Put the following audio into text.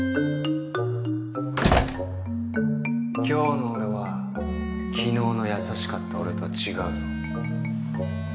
今日の俺は昨日の優しかった俺とは違うぞ。